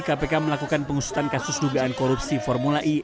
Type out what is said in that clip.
kpk melakukan pengusutan kasus dugaan korupsi formula e